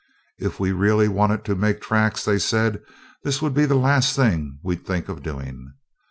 If we'd really wanted to make tracks, they said, this would be the last thing we'd think of doing.